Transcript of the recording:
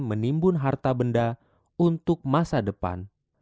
menimbun harta benda untuk masa depan